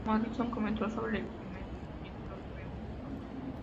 Morrison comentó sobre el primer título: "Fue un error.